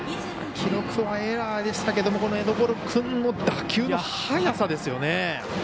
記録はエラーでしたけどもエドポロ君の打球の速さですよね。